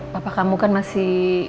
papa kamu kan masih